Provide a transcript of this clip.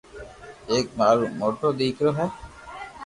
ايڪ مارو موٽو ديڪرو ھي